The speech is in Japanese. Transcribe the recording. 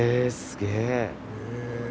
すげえ。